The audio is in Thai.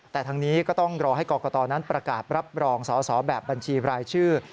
แต่ทางนี้ก็ต้องรอให้กรกตนั้นประกาศรับรองสอสอแบบบัญชีรายชื่อ